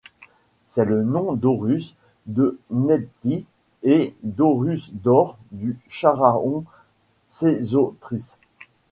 C'est le nom d'Horus, de Nebty et d'Horus d'or du pharaon Sésostris.